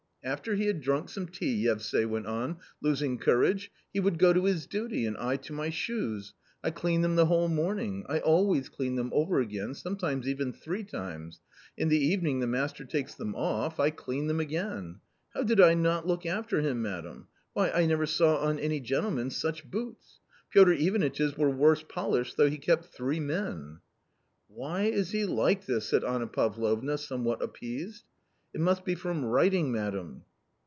" After he had drunk some tea," Yevsay went on, losing courage, " he would go to his duty, and I to my shoes ; I clean them the whole morning, I always clean them over again, sometimes even three times; in the evening the master takes them off, I clean them again. How did I not look after him, madam ; why, I never saw on any gentleman such boots. Piotr Ivanitch's were worse polished though he kept three men." "Why is he like this?" said Anna Pavlovna somewhat appeased. " It must be from writing, madam."